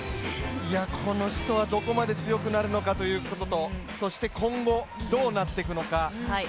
この人はどこまで強くなるのかということとそして今後、どうなっていくのか。